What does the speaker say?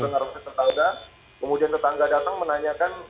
terdengar oleh tetangga kemudian tetangga datang menanyakan